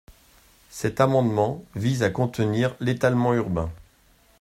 Cet amendement vise à contenir l’étalement urbain.